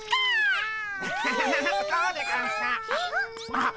あっ！